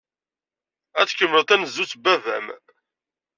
Ad tkemmled tanezzut n baba-m.